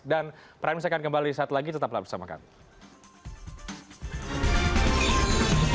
dan pranisa akan kembali lagi tetap bersama kami